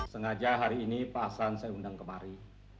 sengaja hari ini pak hasan saya undang kemari